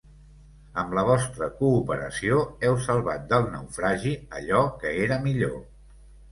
Amb la vostra cooperació heu salvat del naufragi allò que era millor.